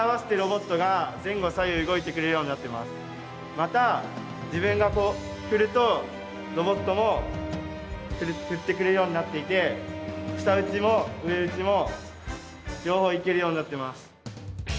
また自分がこう振るとロボットも振ってくれるようになっていて下打ちも上打ちも両方いけるようになってます。